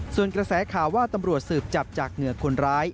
ส่วนกระแสข่าวว่าตำรวจสืบจับจากเหงื่อคนร้าย